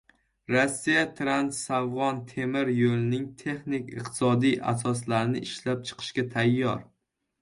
Rossiya transafg‘on temir yo‘linining texnik-iqtisodiy asoslarini ishlab chiqishga tayyor